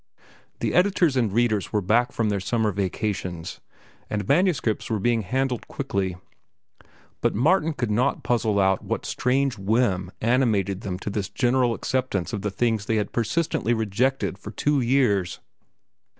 The editors and readers were back from their summer vacations, and manuscripts were being handled quickly. But Martin could not puzzle out what strange whim animated them to this general acceptance of the things they had persistently rejected for two years.